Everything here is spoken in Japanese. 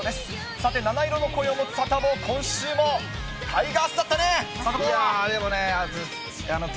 さて、七色の声を持つサタボー、今週もタイガースだったね、でもね、点、